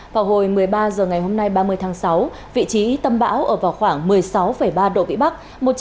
vào hồi một mươi ba h ngày hôm nay ba mươi tháng sáu vị trí tâm bão ở vào khoảng một mươi sáu ba độ vĩ bắc